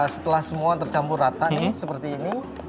setelah semua tercampur rata nih seperti ini